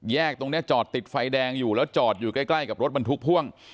ตรงนี้จอดติดไฟแดงอยู่แล้วจอดอยู่ใกล้กับรถบรรทุกพ่วง